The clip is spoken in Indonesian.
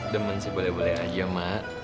demen sih boleh boleh aja mak